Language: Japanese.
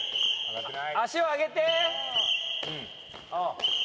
足を上げて！